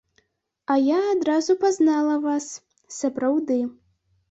Я адразу пазнала вас, сапраўды.